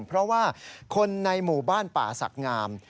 เพราะว่าคนในหมู่บ้านป่าศักดิ์งาม